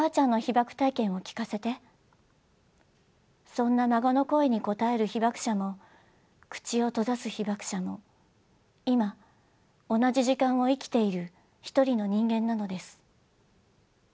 そんな孫の声にこたえる被爆者も口を閉ざす被爆者も今同じ時間を生きているひとりの人間なのです。